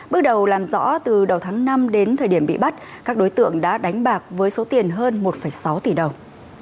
bước đầu làm rõ từ đầu tháng năm đến thời điểm bị bắt các đối tượng đã đánh bạc với số tiền hơn một sáu tỷ đồng